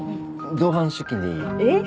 同伴出勤でいい？えっ？